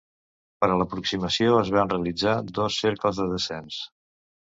Per a l'aproximació, es van realitzar dos cercles de descens.